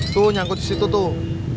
tuh nyangkut disitu tuh